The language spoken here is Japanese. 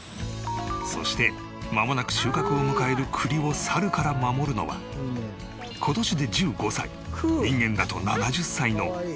そしてまもなく収穫を迎える栗をサルから守るのは今年で１５歳人間だと７０歳の番犬クー。